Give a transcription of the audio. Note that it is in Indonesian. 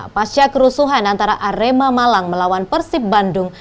pasca kerusuhan antara arema malang melawan persib bandung